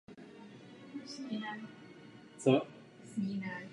Byl důvěrníkem místní skupiny textilních odborů.